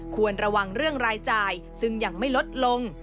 ควรระวังเรื่องรายจ่ายซึ่งยังไม่ลดลง